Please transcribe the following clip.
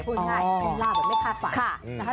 เป็นลาบแบบไม่คาดฝัน